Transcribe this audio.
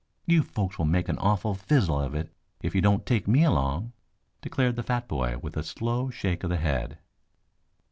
"You folks will make an awful fizzle of it if you don't take me along," declared the fat boy with a slow shake of the head.